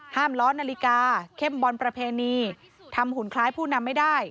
ล้อนาฬิกาเข้มบอลประเพณีทำหุ่นคล้ายผู้นำไม่ได้